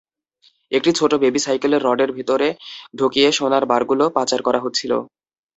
একটি ছোট বেবি সাইকেলের রডের ভেতরে ঢুকিয়ে সোনার বারগুলো পাচার করা হচ্ছিল।